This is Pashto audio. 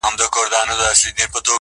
چي راضي مُلا چرګک او خپل پاچا کړي٫